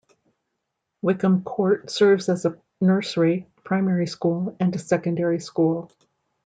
Wickham Court serves as a nursery, primary school and secondary school.